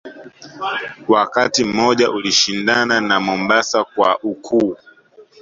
Wakati mmoja ulishindana na Mombasa kwa ukuu